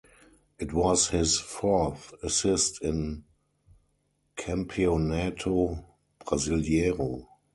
It was his fourth assist in Campeonato Brasileiro.